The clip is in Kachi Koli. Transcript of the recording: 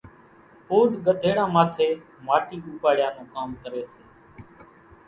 اوڏ ڳڌيڙان ماٿيَ ماٽِي اوپاڙِيا نون ڪام ڪريَ سي۔